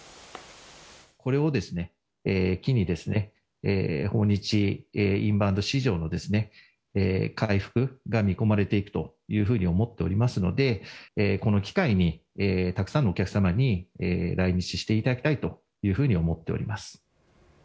これを機に、訪日インバウンド市場の回復が見込まれていくというふうに思っておりますので、この機会にたくさんのお客様に来日していただきたいというふうに思っております。